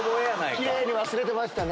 キレイに忘れてましたね。